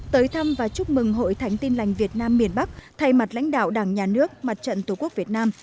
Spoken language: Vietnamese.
tới thăm và chúc mừng hội thánh tin lành việt nam miền bắc thay mặt lãnh đạo đảng nhà nước mặt trận tổ quốc việt nam